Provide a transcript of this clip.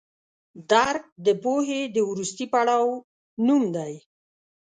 درک د پوهې د وروستي پړاو نوم دی.